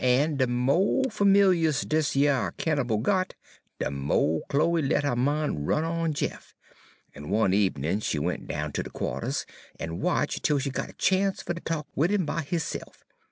En de mo' fermilyus dis yer Hannibal got, de mo' Chloe let her min' run on Jeff, en one ebenin' she went down ter de qua'ters en watch', 'tel she got a chance fer ter talk wid 'im by hisse'f.